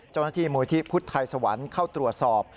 เจ้าหน้าที่มูลที่พุทธไทยสวรรค์เข้าตรวจสอบ